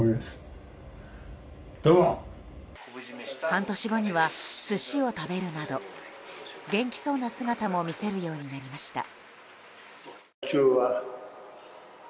半年後には寿司を食べるなど元気そうな姿も見せるようになりました。